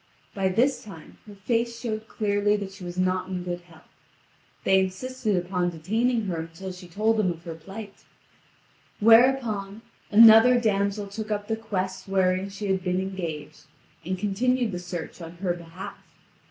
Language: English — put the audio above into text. By this time her face showed clearly that she was not in good health. They insisted upon detaining her until she told them of her plight; whereupon, another damsel took up the quest wherein she had been engaged, and continued the search on her behalf.